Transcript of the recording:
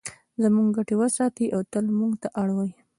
زموږ ګټې وساتي او تل موږ ته اړ وي.